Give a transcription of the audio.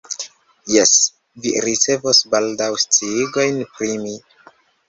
Jes, vi ricevos baldaŭ sciigojn pri mi.